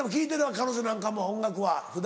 彼女なんかも音楽は普段。